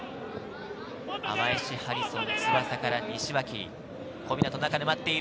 アマエシ・ハリソン・翼から、西脇、小湊、中で難波、待っている。